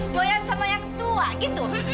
goyat sama yang tua gitu